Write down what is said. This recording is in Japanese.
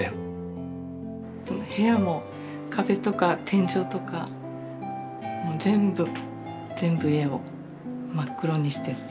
部屋も壁とか天井とかもう全部全部家を真っ黒にして。